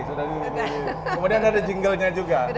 kemudian ada jinglenya juga